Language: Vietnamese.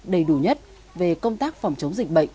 đầy đủ nhất về công tác phòng chống dịch bệnh